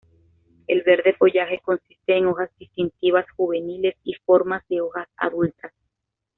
El verde follaje consiste en hojas distintivas juveniles y formas de hojas adultas.